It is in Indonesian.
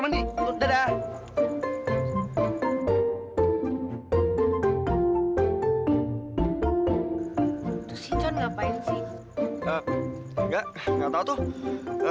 nggak tau tuh